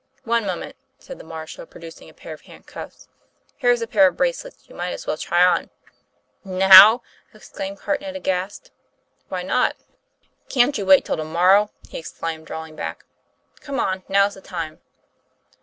"One moment," said the marshal, producing a pair of handcuffs; "here's a pair of bracelets you might as well try on." " Now ?" exclaimed Hartnett, aghast. "Why not?" 246 TOM PLAY FAIR. "Can't you wait till to morrow?" he exclaimed, drawing back. ;' Come on; now's the time!"